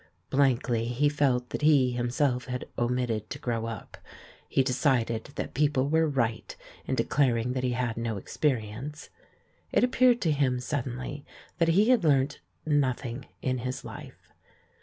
Blankly he felt that he himself had omitted to grow up; he decided that people were right in declaring that he had no experience; it appeared to him suddenly that he had learnt nothing in his life.